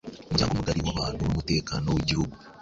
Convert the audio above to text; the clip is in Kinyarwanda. umuryango mugari w’abantu n’umutekano w’igihugu.